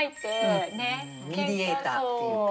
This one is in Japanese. ミディエーターっていうか。